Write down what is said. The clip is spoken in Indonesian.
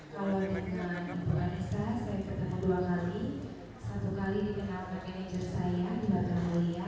kalau dengan ibu vanessa saya ketemu dua kali satu kali dengan manajer saya di bagian mulia